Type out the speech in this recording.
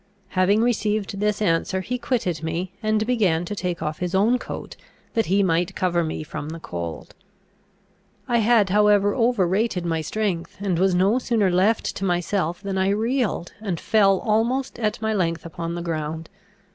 Having received this answer, he quitted me, and began to take off his own coat, that he might cover me from the cold. I had however over rated my strength, and was no sooner left to myself than I reeled, and fell almost at my length upon the ground.